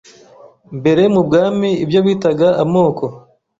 mbere mu bwami ibyo bitaga amoko